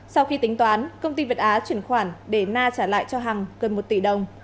sau khi tính toán công ty việt á chuyển khoản để na trả lại cho hằng gần một tỷ đồng